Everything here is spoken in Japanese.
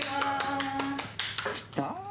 きた！